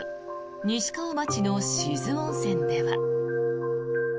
西川町の志津温泉では。